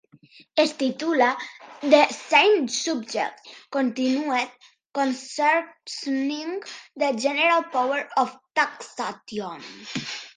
Es titula "The Same Subject Continued: Concerning the General Power of Taxation".